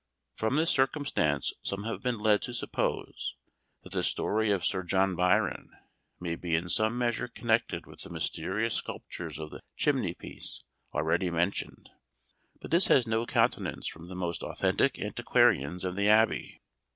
From this circumstance some have been led to suppose that the story of Sir John Byron may be in some measure connected with the mysterious sculptures of the chimney piece already mentioned; but this has no countenance from the most authentic antiquarians of the Abbey.